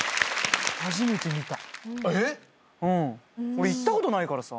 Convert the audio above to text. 俺行ったことないからさ。